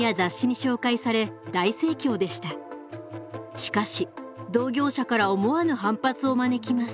しかし同業者から思わぬ反発を招きます。